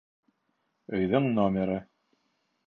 Өйҙөң номеры..